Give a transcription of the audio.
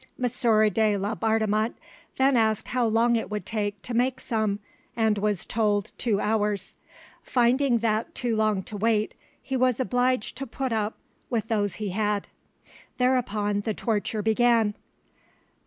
M. de Laubardemont then asked how long it would take to make some, and was told two hours; finding that too long to wait, he was obliged to put up with those he had. Thereupon the torture began.